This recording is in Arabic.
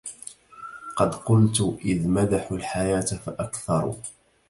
قد قلت إذ مدحوا الحياة فأكثروا